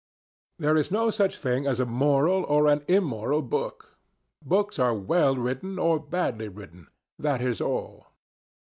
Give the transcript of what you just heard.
There is no such thing as a moral or an immoral book. Books are well written, or badly written. That is all.